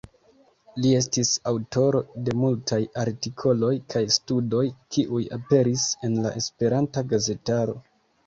Li estis aŭtoro de multaj artikoloj kaj studoj, kiuj aperis en la Esperanta gazetaro.